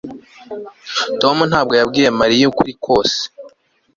Tom ntabwo yabwiye Mariya ukuri kose